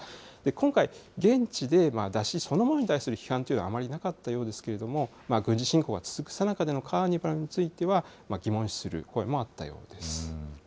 今回、現地で山車そのものに対する批判というのはあまりなかったようですけれども、軍事侵攻が続くさなかでのカーニバルについては、疑問視する声もあったようです。